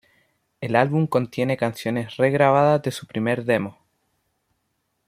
El álbum contiene canciones re-grabadas de su primer demo.